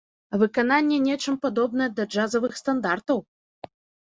А выкананне нечым падобнае да джазавых стандартаў!